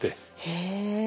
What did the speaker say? へえ。